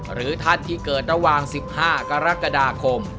หรือท่านที่เกิดระหว่าง๑๕กรกฎาคม